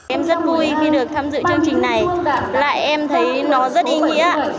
em rất vui khi được tham dự chương trình này lại em thấy nó rất ý nghĩa